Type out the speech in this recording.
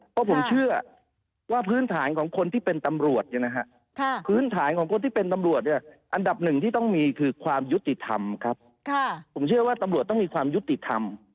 เพราะผมเชื่อว่าพื้นฐานของคนที่เป็นตำรวจเนี่ยนะฮะพื้นฐานของคนที่เป็นตำรวจเนี่ยอันดับหนึ่งที่ต้องมีคือความยุติธรรมครับผมเชื่อว่าตำรวจต้องมีความยุติธรรม